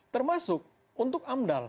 termasuk untuk amdal